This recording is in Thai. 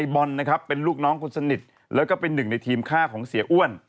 บอลนะครับเป็นลูกน้องคนสนิทแล้วก็เป็นหนึ่งในทีมฆ่าของเสียอ้วน